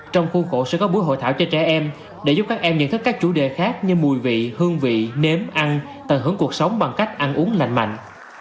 trong khu khổ sẽ có buổi hội thảo cho trẻ em để giúp các em nhận thức các chủ đề khác như mùi vị hương vị nếm ăn tận hưởng cuộc sống bằng cách ăn uống lành mạnh